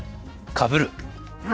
かぶる。